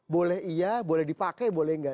boleh iya boleh dipakai boleh nggak